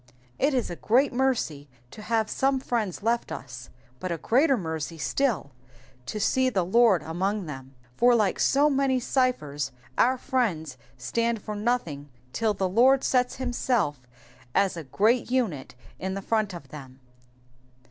It is a great mercy to have some friends left us, ^ut a greater mercy still to see the Lord among them, for like so many cyphers our friends stand for nothing till the Lord sets himself as a great unit in the front of them.